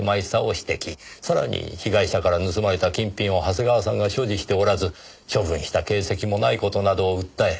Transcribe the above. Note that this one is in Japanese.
さらに被害者から盗まれた金品を長谷川さんが所持しておらず処分した形跡もない事などを訴え